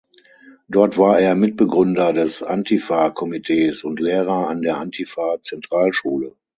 Dort war er Mitbegründer des Antifa-Komitees und Lehrer an der Antifa-Zentralschule.